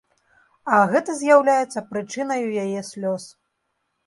А гэта з'яўляецца прычынаю яе слёз.